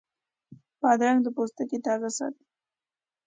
بادرنګ د پوستکي تازه ساتي.